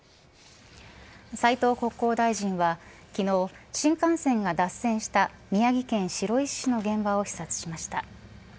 斉藤国交大臣は昨日新幹線が脱線した宮城県白石市の現場を視察しました。